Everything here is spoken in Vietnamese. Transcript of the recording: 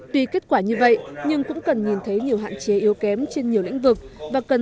tuy kết quả như vậy nhưng cũng cần nhìn thấy nhiều hạn chế yếu kém trên nhiều lĩnh vực và cần